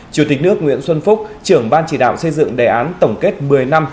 chủ tịch nước nguyễn xuân phúc trưởng ban chỉ đạo xây dựng đề án tổng kết một mươi năm